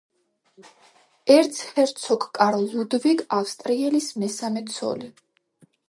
ერცჰერცოგ კარლ ლუდვიგ ავსტრიელის მესამე ცოლი.